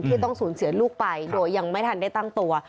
ต้องสูญเสียลูกไปโดยยังไม่ทันได้ตั้งตัว